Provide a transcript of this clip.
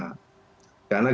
karena kementerian agama